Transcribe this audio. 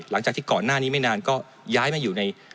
แต่หมอนานีไม่นานก็ย้ายมาอยู่ใน